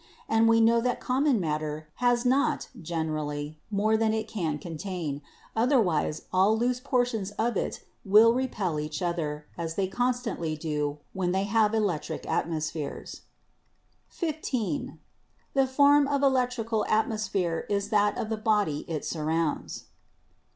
And we know that common matter has not (generally) more than it can contain, otherwise all loose portions of it would repel each other as they constantly do when they have electric atmospheres. ... "(15) The form of the electrical atmosphere is that of the body it surrounds."